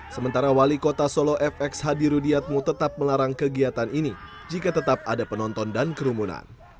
sementara wali kota solo fx hadi rudiatmu tetap melarang kegiatan ini jika tetap ada penonton dan kerumunan